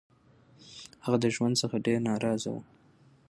هغه د ژوند څخه ډير نا رضا وو